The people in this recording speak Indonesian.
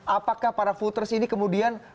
apakah para voters ini kemudian